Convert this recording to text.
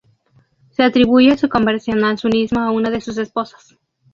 Se atribuye su conversión al sunismo a una de sus esposas.